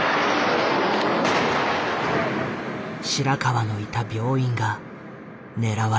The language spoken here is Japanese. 白川のいた病院が狙われた。